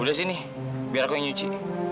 udah sini biar aku yang nyuci